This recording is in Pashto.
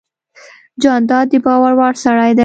جانداد د باور وړ سړی دی.